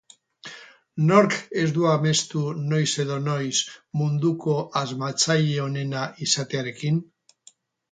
Nork ez du amestu noiz edo noiz munduko asmatzaile onena izatearekin?